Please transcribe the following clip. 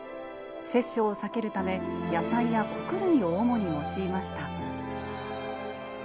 殺生を避けるため野菜や穀類を主に用いました。